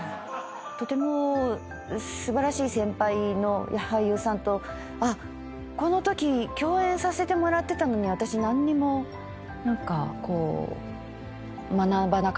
とても素晴らしい先輩の俳優さんとこのとき共演させてもらってたのに私何にも何かこう学ばなかったなとか。